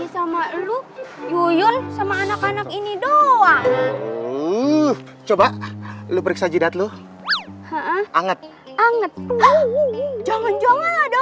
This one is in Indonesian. sama lu guyul sama anak anak ini doang coba lu periksa jeda lu hangat anget jangan jangan ada